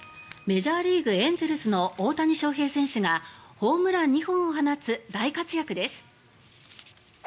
メジャーリーグ、エンゼルスの大谷翔平選手がホームラン２本を放つ大活躍です。